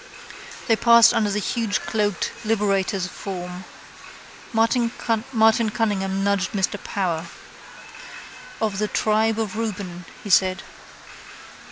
They passed under the hugecloaked Liberator's form. Martin Cunningham nudged Mr Power. —Of the tribe of Reuben, he said.